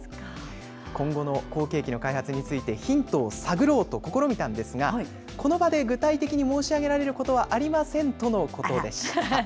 今後の後継機の開発についてヒントを探ろうと試みたんですが、この場で具体的に申し上げられることはありませんとのことでした。